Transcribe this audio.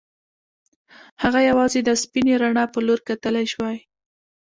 هغه یوازې د سپینې رڼا په لور کتلای شوای